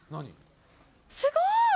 すごーい！